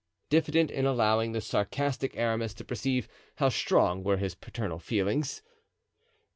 diffident in allowing the sarcastic Aramis to perceive how strong were his paternal feelings.